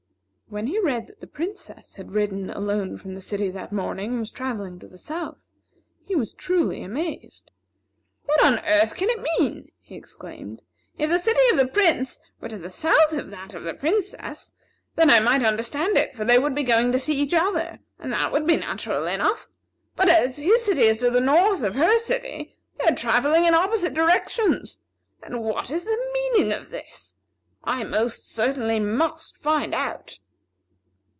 When he read that the Princess had ridden alone from the city that morning, and was travelling to the south, he was truly amazed. "What on earth can it mean?" he exclaimed. "If the city of the Prince were to the south of that of the Princess, then I might understand it; for they would be going to see each other, and that would be natural enough. But as his city is to the north of her city, they are travelling in opposite directions. And what is the meaning of this? I most certainly must find out."